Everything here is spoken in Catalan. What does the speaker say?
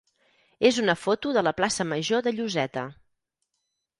és una foto de la plaça major de Lloseta.